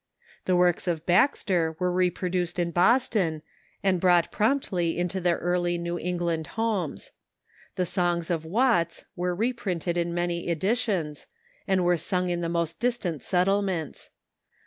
The works of Baxter were reproduced in Boston, and brought promptly into the early New England homes. The songs of Watts were reprinted in many editions, and were sung in the most distant settlements.